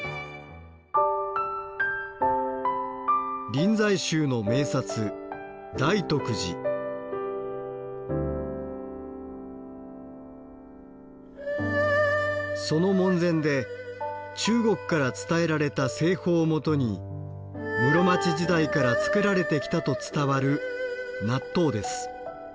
臨済宗の名刹その門前で中国から伝えられた製法をもとに室町時代から作られてきたと伝わる納豆です。